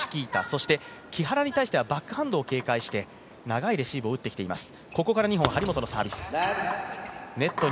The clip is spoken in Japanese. そして、木原に対してはバックハンドを警戒して長いレシーブを打ってきています。